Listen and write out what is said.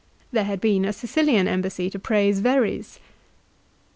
There had been a Sicilian embassy to praise Verres.